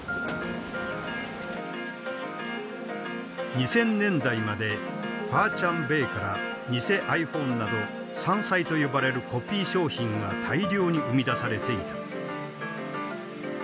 ２０００年代まで華強北から偽ｉＰｈｏｎｅなど山寨と呼ばれるコピー商品が大量に生み出されていた。